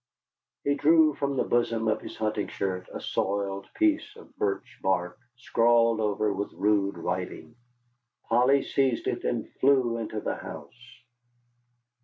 He drew from the bosom of his hunting shirt a soiled piece of birch bark, scrawled over with rude writing. Polly seized it, and flew into the house.